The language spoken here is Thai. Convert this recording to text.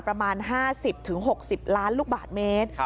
ประมาณ๕๐๖๐ล้านลูกบาทเมตร